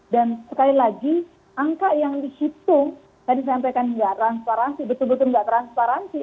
dan sekali lagi angka yang dihitung tadi saya sampaikan ya transparansi betul betul nggak transparansi